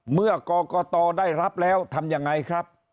เมื่อกรกตได้รับแล้วทำยังไงครับ